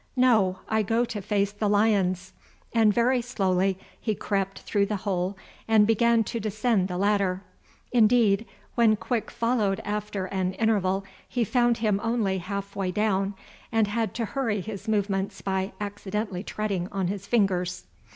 No, I go to face the lions," and very slowly he crept through the hole and began to descend the ladder. Indeed, when Quick followed after an interval he found him only half way down, and had to hurry his movements by accidentally treading on his fingers.